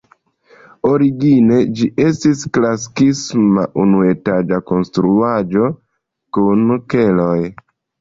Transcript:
Origine ĝi estis klasikisma unuetaĝa konstruaĵo kun keloj.